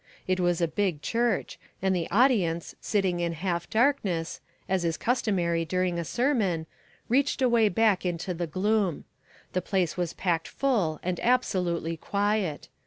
It was a big church, and the audience, sitting in half darkness, as is customary during a sermon, reached away back into the gloom. The place was packed full and absolutely quiet.